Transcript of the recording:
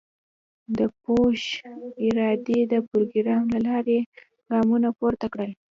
د بوش ادارې د پروګرام له لارې ګامونه پورته کړل.